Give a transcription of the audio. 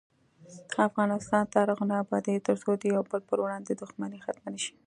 افغانستان تر هغو نه ابادیږي، ترڅو د یو بل پر وړاندې دښمني ختمه نشي.